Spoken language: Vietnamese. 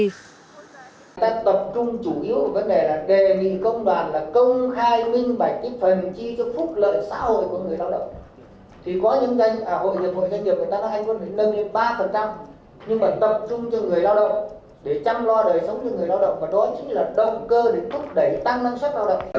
thì có những hội nghiệp hội doanh nghiệp người ta nói anh quân phải nâng những ba nhưng mà tập trung cho người lao động để chăm lo đời sống cho người lao động và đó chính là động cơ để thúc đẩy tăng năng suất lao động